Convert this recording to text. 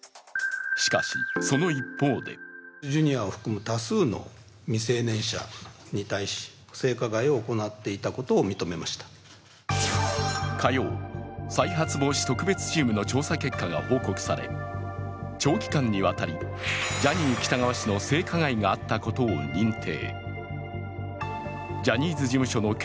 しかし、その一方で火曜、再発防止特別チームの調査結果が報告され長期間にわたり、ジャニー喜多川氏の性加害があったことを認定。